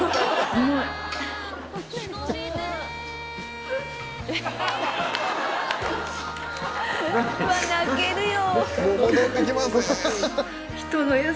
うわっ泣けるよ！